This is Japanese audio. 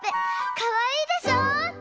かわいいでしょ？